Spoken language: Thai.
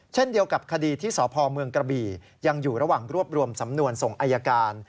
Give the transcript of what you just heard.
เช่นเดียวกับคดีที่สพเมืองกระบี่ยังอยู่ระหว่างรวบรวมสำนวนส่งอายการ